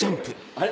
あれ？